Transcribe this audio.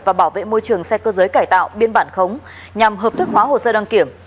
và bảo vệ môi trường xe cơ giới cải tạo biên bản khống nhằm hợp thức hóa hồ sơ đăng kiểm